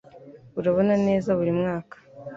Urabona neza buri mwaka